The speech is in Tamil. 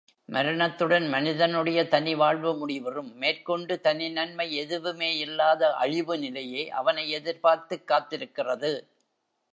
மரணத்துடன் மனிதனுடைய தனி வாழ்வு முடிவுறும் மேற்கொண்டு தனி நன்மை எதுவுமேயில்லாத அழிவு நிலையே அவனை எதிர்பார்த்துக் காத்திருக்கிறது.